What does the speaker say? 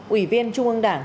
ủy viên trung ương đảng